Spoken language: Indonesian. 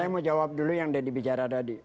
saya mau jawab dulu yang deddy bicara tadi